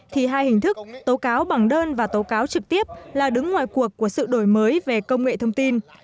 thì hai hình thức tố cáo bằng đơn và tố cáo trực tiếp là đứng ngoài cuộc của sự đổi mới về công nghệ thông tin